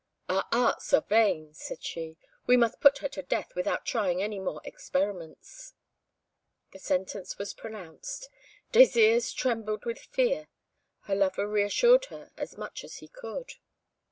"Our arts are vain," said she. "We must put her to death, without trying any more experiments." The sentence was pronounced. Désirs trembled with fear; her lover re assured her as much as he could.